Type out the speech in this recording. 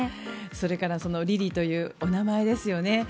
それからリリというお名前ですよね。